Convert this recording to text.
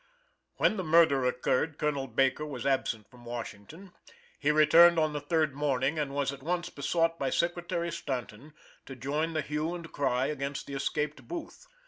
When the murder occured, Colonel Baker was absent from Washington, He returned on the third morning, and was at once besought by Secretary Stanton to join the hue and cry against the escaped Booth.